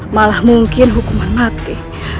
malah mungkin hukuman mati